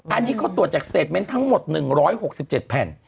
อันนี้เขาตรวจจากเศษเมนต์ทั้งหมด๑๖๗แผ่น